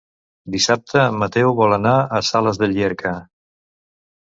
Dissabte en Mateu vol anar a Sales de Llierca.